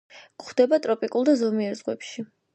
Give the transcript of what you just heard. გვხვდება ტროპიკულ და ზომიერ ზღვებში.